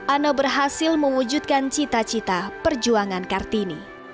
ana berhasil mewujudkan cita cita perjuangan kartini